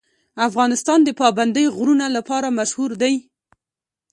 افغانستان د پابندی غرونه لپاره مشهور دی.